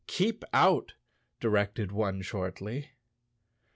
"Keep out!" directed one shortly.